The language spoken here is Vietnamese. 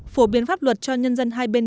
phổ biến pháp luật cho nhân dân hai bên